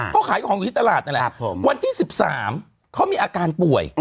เขาขายของอยู่ที่ตลาดนั่นแหละวันที่๑๓เขามีอาการป่วย